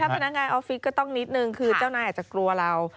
พนักงานออฟฟิศก็ต้องนิดนึงคือเจ้านายอาจจะกลัวเรา